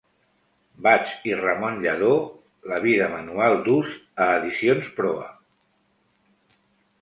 Bats i Ramon Lladó La vida, manual d'ús a Edicions Proa.